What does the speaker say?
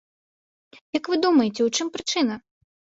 Як вы думаеце, у чым прычына?